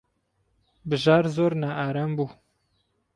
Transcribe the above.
بژار زۆر نائارام بوو.